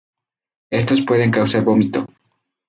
Estos pueden causar vómito.